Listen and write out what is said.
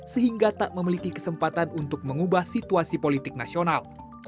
sehingga tak memiliki kesempatan untuk mengubah situasi politik nasional